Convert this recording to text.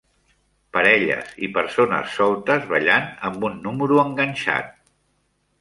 Parelles i persones soltes ballant amb un número enganxat.